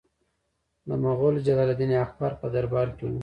د مغول جلال الدین اکبر په دربار کې و.